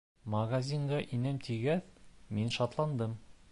Магазинға инәм тигәс, мин шатландым.